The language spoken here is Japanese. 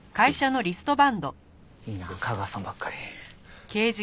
いいな架川さんばっかり。